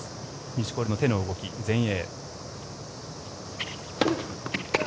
錦織の手の動き、前衛。